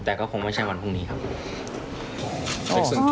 แต่ก็คงไม่ใช่วันพรุ่งนี้ครับ